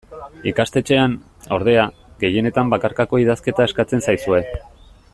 Ikastetxean, ordea, gehienetan bakarkako idazketa eskatzen zaizue.